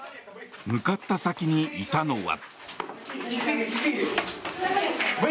向かった先にいたのは。